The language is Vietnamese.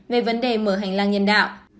về vấn đề mở hành lang nhân đạo